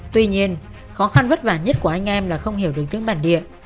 tuy nhiên khó khăn vất vả nhất của anh em là không hiểu được tiếng bản địa